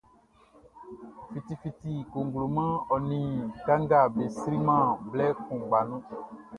Fiti fiti cogloman ɔ ni kanga be sri man blɛ kuʼngba nu.